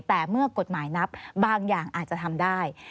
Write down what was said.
แต่เมื่อกฎหมายนับบางอย่างอาจจะทำได้